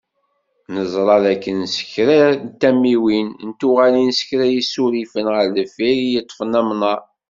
Neẓra d akken seg kra n tamiwin, d tuɣalin s kra n yisurifen ɣer deffir i yeṭṭfen amnaṛ.